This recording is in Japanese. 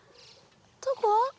どこ？